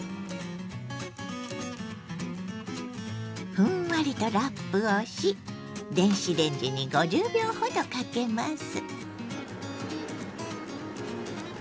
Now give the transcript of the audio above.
ふんわりとラップをし電子レンジに５０秒ほどかけます。